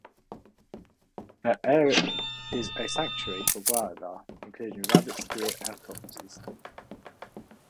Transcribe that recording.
The area is a sanctuary for wildlife, including rabbits, deer, and foxes.